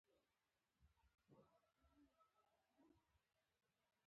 کوم اتوم چې الکترون له لاسه ورکوي چارج یې مثبت کیږي.